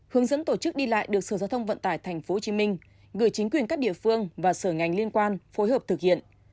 hướng dẫn tổ chức đi lại được sở giao thông vận tải tp hcm gửi chính quyền các địa phương và sở ngành liên quan phối hợp thực hiện